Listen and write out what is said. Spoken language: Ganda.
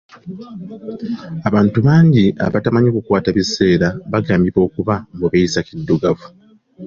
Abantu bangi abatamanyi kukwata biseera bagambibwa okuba mbu beeyisa kiddugavu.